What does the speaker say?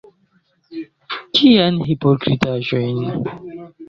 Kiajn hipokritaĵojn?